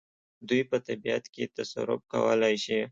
دوی په طبیعت کې تصرف کولای شي.